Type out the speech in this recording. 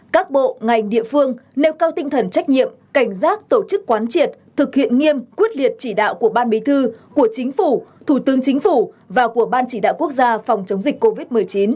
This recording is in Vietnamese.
các bộ ngành địa phương nêu cao tinh thần trách nhiệm cảnh giác tổ chức quán triệt thực hiện nghiêm quyết liệt chỉ đạo của ban bí thư của chính phủ thủ tướng chính phủ và của ban chỉ đạo quốc gia phòng chống dịch covid một mươi chín